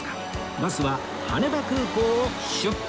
バスは羽田空港を出発！